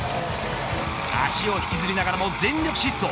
足を引きずりながらも全力疾走。